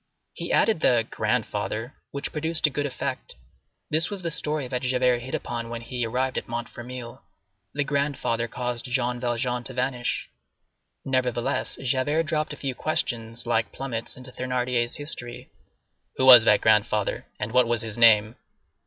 He added the "grandfather," which produced a good effect. This was the story that Javert hit upon when he arrived at Montfermeil. The grandfather caused Jean Valjean to vanish. Nevertheless, Javert dropped a few questions, like plummets, into Thénardier's history. "Who was that grandfather? and what was his name?"